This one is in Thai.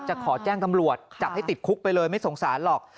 ขอแจ้งตำรวจจับให้ติดคุกไปเลยไม่สงสารหรอก